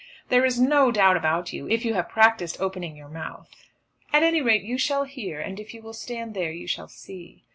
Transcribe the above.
There is no doubt about you, if you have practised opening your mouth." "At any rate you shall hear, and if you will stand there you shall see."